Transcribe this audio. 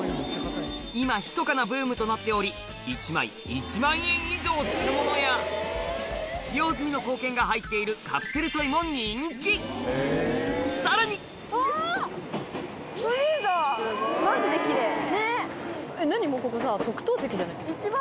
今ひそかなブームとなっており１枚１万円以上するものや使用済みの硬券が入っているカプセルトイも人気さらに何もうここさ。